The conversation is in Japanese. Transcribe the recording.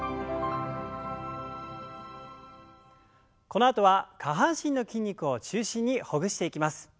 このあとは下半身の筋肉を中心にほぐしていきます。